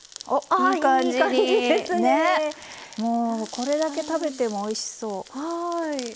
これだけ食べてもおいしそう。